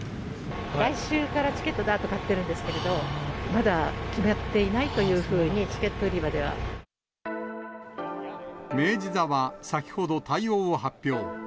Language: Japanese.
来週からチケット、だーっと買ってるんですけど、まだ決まっていないというふうに、チケット明治座は先ほど、対応を発表。